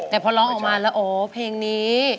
แต่พอร้องออกมาแล้วโอ้เพลงนี้